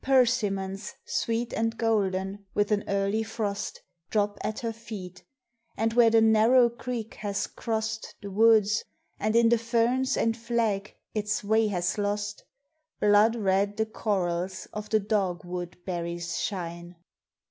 Persimmons, sweet and golden with an early frost, Drop at her feet; and where the narrow creek has crossed The woods, and in the ferns and flag its way has lost, Blood red the corals of the dog wood berries shine.